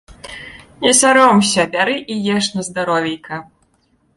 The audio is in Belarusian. Не саромся, бяры і еш на здаровейка!